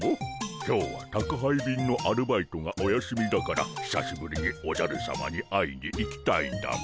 今日は宅配便のアルバイトがお休みだからひさしぶりにおじゃるさまに会いに行きたいんだモ。